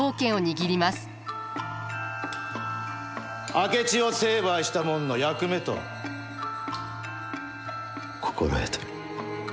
明智を成敗したもんの役目と心得とる。